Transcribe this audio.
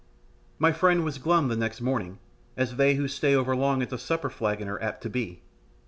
My friend was glum the next morning, as they who stay over long at the supper flagon are apt to be.